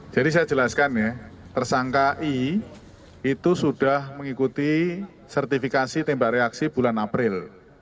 jadi saya jelaskan ya tersangka i itu sudah mengikuti sertifikasi tembak reaksi bulan april